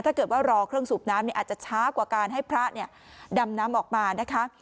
ถ้าเกิดว่ารอเครื่องสูบน้ำอาจจะช้ากว่าการให้พระดำน้ำออกมานะคะ